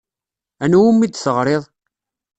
Anwa umi d-teɣrid?